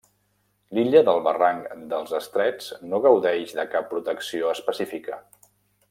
L’illa del barranc dels Estrets no gaudeix de cap protecció específica.